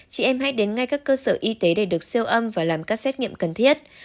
chị em hãy đến ngay các cơ sở y tế để được siêu âm và làm các xét nghiệm cần thiết